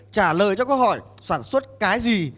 trả lời cho câu hỏi sản xuất cái gì